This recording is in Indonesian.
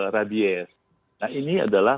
radiesse nah ini adalah